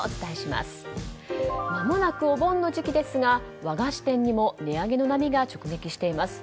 まもなくお盆の時期ですが和菓子店にも値上げの波が直撃しています。